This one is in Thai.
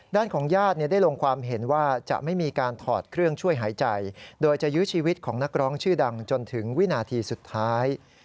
ด้านของญาติได้ลงความเห็นว่าจะไม่มีการถอดเครื่องช่วยหายใจโดยจะยื้อชีวิตของนักร้องชื่อดังจนถึงวินาทีสุดท้าย